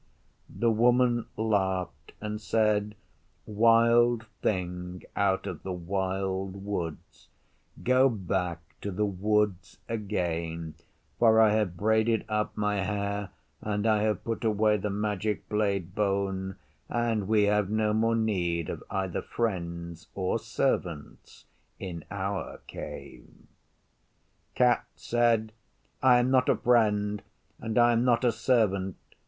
The Woman laughed and said, 'Wild Thing out of the Wild Woods, go back to the Woods again, for I have braided up my hair, and I have put away the magic blade bone, and we have no more need of either friends or servants in our Cave. Cat said, 'I am not a friend, and I am not a servant.